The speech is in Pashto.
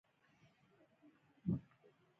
او يا د اوبو د کمۍ له وجې راځي